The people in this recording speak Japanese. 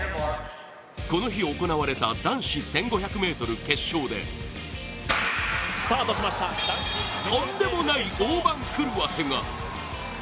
この日、行われた男子１５００ｍ決勝でとんでもない大番狂わせが！